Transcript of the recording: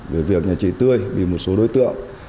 về việc nhà chị tươi bị một số đối tượng